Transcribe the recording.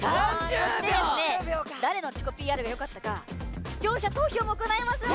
そして誰の自己ＰＲがよかったか視聴者投票も行います。